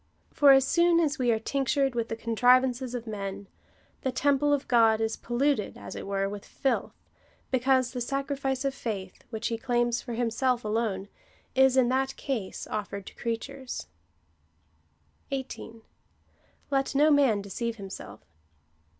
For as soon as we are tinctured with the contrivances of men, the temple of God is polluted, as it were, with filth, because the sacrifice of faith, which he claims for himself alone, is in that case oiFered to creatures. 18. Let no man deceive himself.